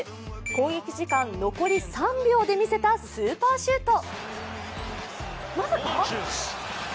攻撃時間残り３秒で見せたスーパーシュート。